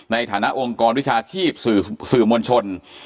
ในฐานะองค์กรวิชาชีพสื่อมวลชน